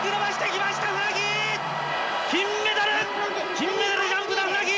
金メダルジャンプだ船木。